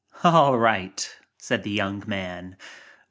"All right," said the young man."